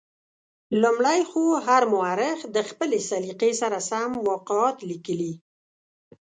لومړی خو هر مورخ د خپلې سلیقې سره سم واقعات لیکلي.